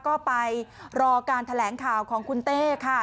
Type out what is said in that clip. ก็ไปรอการแถลงข่าวของคุณเต้ค่ะ